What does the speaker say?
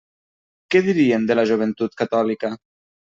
Què dirien en la Joventut Catòlica?